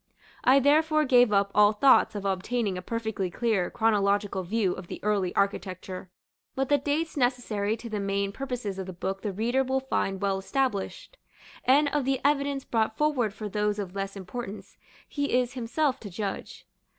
I therefore gave up all thoughts of obtaining a perfectly clear chronological view of the early architecture; but the dates necessary to the main purposes of the book the reader will find well established; and of the evidence brought forward for those of less importance, he is himself to judge.